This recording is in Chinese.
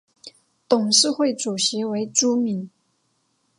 董事会主席为朱敏。